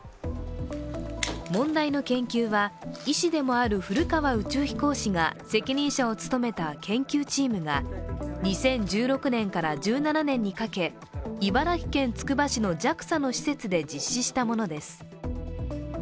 問題の研究は医師でもある古川宇宙飛行士が責任者を務めた研究チームが２０１６年から１７年にかけ、茨城県つくば市のＪＡＸＡの施設で実施したものです。